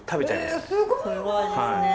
すごいですね。